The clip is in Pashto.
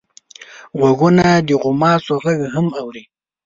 غوږونه د غوماشو غږ هم اوري